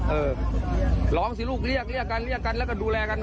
เออร้องสิลูกเรียกเรียกกันเรียกกันแล้วก็ดูแลกันนะ